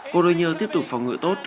cologne tiếp tục phòng ngự tốt